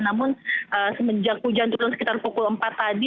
namun semenjak hujan turun sekitar pukul empat tadi